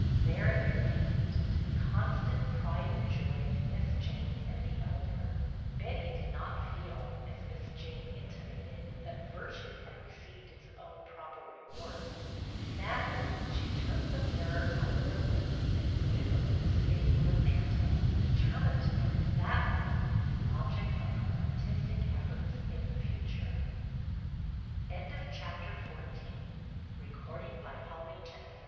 There it remained, to the con stant pride and joy of Miss Jane and the Elder. Betty did not feel, as Miss Jane in timated, that virtue had received its own proper reward. Sadly she took the mirror out of the room and put it over the sitting room mantel, determined to make that room the object of her artistic efforts in the future.